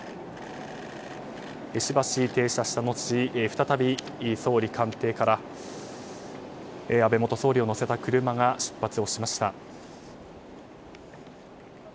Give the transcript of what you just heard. しばし停車した後再び総理官邸から安倍元総理を乗せた車が出発しました。